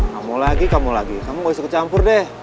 kamu lagi kamu lagi kamu gak usah kecampur deh